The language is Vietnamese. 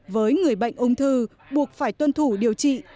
với người bệnh ung thư buộc phải tuân thủ điều trị